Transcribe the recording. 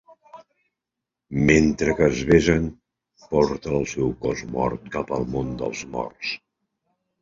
Mentre que es besen, porta el seu cos mort cap al món dels morts.